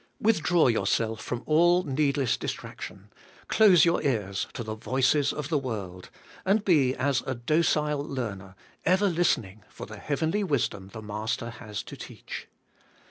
Withdraw yourself from all needless distraction, close your ears to the voices of the world, and be as a docile learner, ever listening for the heavenly wisdom the Master has to teach.